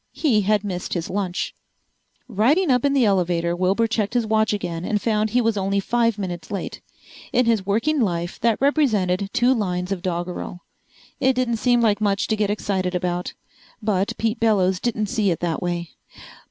He had missed his lunch. Riding up in the elevator Wilbur checked his watch again and found he was only five minutes late. In his working life that represented two lines of doggerel. It didn't seem like much to get excited about. But Pete Bellows didn't see it that way.